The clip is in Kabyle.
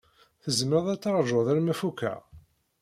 Tzemred ad teṛjud arma fukeɣ?